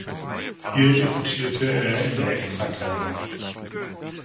Hier debütierte er in der Ekstraklasa.